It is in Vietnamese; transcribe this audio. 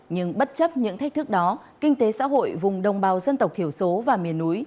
nhưng bất chấp những thách thức đó kinh tế xã hội vùng đồng bào dân tộc thiểu số và miền núi